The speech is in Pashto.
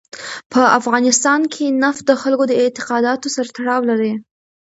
په افغانستان کې نفت د خلکو د اعتقاداتو سره تړاو لري.